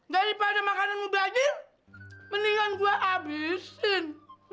daripada makananmu bajir mendingan gua abisin